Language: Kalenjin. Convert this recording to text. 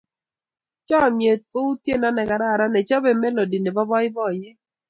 Chomnyet kou tyendo ne kararan nechobei melody nebo boiboiyet.